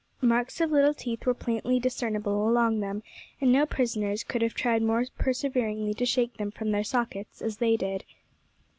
Marks of little teeth were plainly discernible along them, and no prisoners could have tried more perseveringly to shake them from their sockets than they did.